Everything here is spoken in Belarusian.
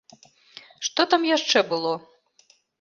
Што там яшчэ было?